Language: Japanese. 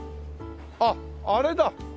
あっあれだ！